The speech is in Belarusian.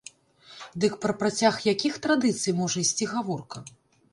Дык пра працяг якіх традыцый можа ісці гаворка?!